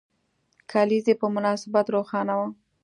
کلیزې په مناسبت روښانه وو.